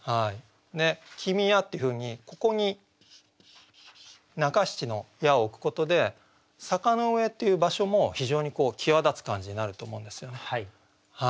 「君や」っていうふうにここに中七の「や」を置くことで「坂の上」っていう場所も非常に際立つ感じになると思うんですよね。